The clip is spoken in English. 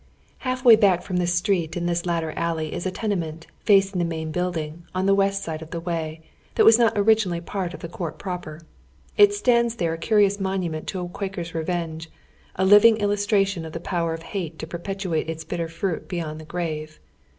Half way back from tlie street in this latter alley is a tenement, facing the main building, on the west side of the way, that was not originally pai t of the court proper. It stands there a curious monument to a Quaker's revenge, a living illustration of the power of hate to perpetuate its bitter fruit beyond the grave.